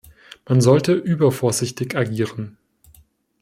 Man sollte übervorsichtig agieren.